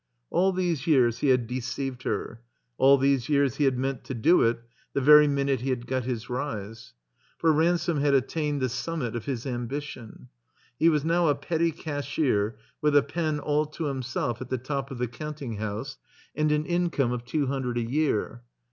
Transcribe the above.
All these years he had deceived her. All these years he had meant to do it the very minute he had got his rise. 3 so THE COMBINED MAZE .# For Ransome had attained the stumnit of his ambition. He was now a petty cashier with a pen all to himself at the top of the cx)unting house, and an income of two hundred a year.